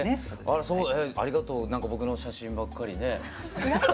あらそうありがとうなんか僕の写真ばっかりね。